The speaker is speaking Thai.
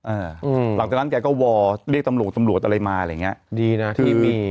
หลังจากนั้นแกก็วอเรียกตำรวจตำรวจอะไรมาอะไรอย่างเงี้ยดีนะที่มี